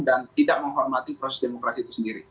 dan tidak menghormati proses demokrasi itu sendiri